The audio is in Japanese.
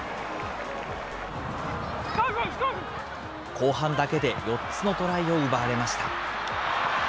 後半だけで４つのトライを奪われました。